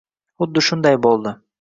Xuddi shunday bo`ldi